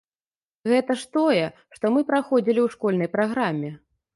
Гэта ж тое, што мы праходзілі ў школьнай праграме.